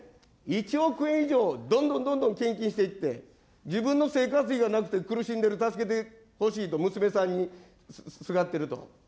１億円以上どんどんどんどん献金していって、自分の生活費がなくて苦しんでいる、助けてほしいと娘さんにすがっていると。